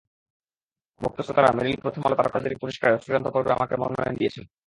ভক্ত-শ্রোতারা মেরিল-প্রথম আলো তারকা জরিপ পুরস্কারের চূড়ান্ত পর্বে আমাকে মনোনয়ন দিয়েছেন।